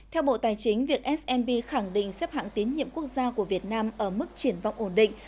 theo bộ tài chính việc smb khẳng định xếp hạng tín nhiệm quốc gia của việt nam ở mức triển vọng ổn định